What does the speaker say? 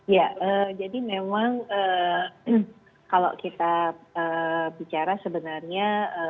ya jadi memang kalau kita bicara sebenarnya